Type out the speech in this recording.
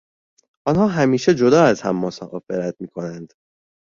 آنها همیشه جدا از هم مسافرت میکنند.